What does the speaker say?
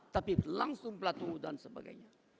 tapi langsung pelatung dan sebagainya